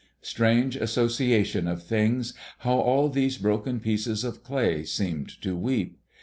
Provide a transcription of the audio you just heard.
Strange association of things! How all these broken pieces of clay seemed to weep!